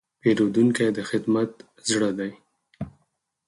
پیرودونکی د خدمت زړه دی.